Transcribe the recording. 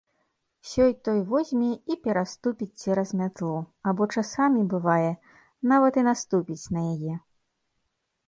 Сёй-той возьме і пераступіць цераз мятлу або часамі, бывае, нават і наступіць на яе.